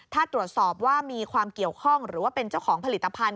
ถ้าตรวจสอบว่ามีความเกี่ยวข้องหรือว่าเป็นเจ้าของผลิตภัณฑ